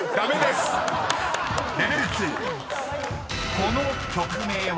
［この曲名は？］